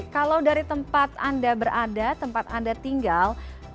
kalau dari tempat anda berada tempat anda tinggal